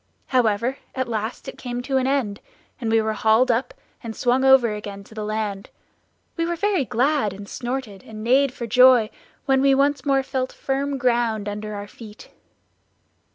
"However, at last it came to an end, and we were hauled up, and swung over again to the land; we were very glad, and snorted and neighed for joy, when we once more felt firm ground under our feet.